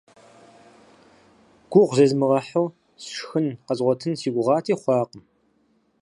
Гугъу зезмыгъэхьу сшхын къэзгъуэтын си гугъати, хъуакъым.